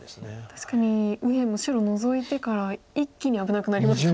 確かに右辺も白ノゾいてから一気に危なくなりましたもんね。